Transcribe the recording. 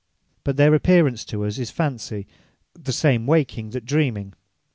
But their apparence to us is Fancy, the same waking, that dreaming.